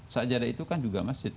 sajadah itu kan juga masjid